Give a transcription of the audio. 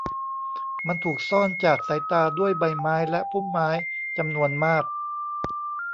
มันถูกซ่อนจากสายตาด้วยใบไม้และพุ่มไม้จำนวนมาก